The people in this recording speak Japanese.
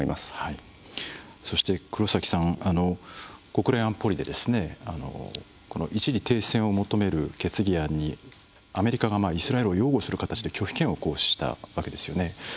黒さん国連安保理でですね一時停戦を求める決議案にアメリカがイスラエルを擁護する形で拒否権を行使したわけですよね。